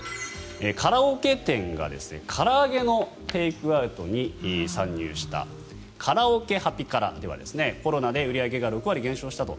カラオケ店がから揚げのテイクアウトに参入したカラオケハピカラではコロナで売り上げが６割減少したと。